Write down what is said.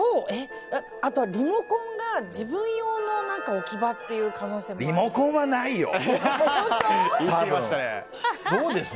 あとはリモコンが自分用の置き場っていう可能性もあります。